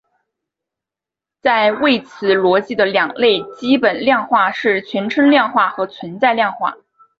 在谓词逻辑的两类基本量化是全称量化和存在量化。